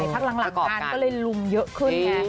พักหลังงานก็เลยลุมเยอะขึ้นไง